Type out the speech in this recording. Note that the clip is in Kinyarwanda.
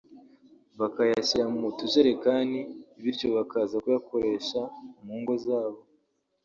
bakayashyira mu tujerekani bityo bakaza kuyakoresha mu ngo zabo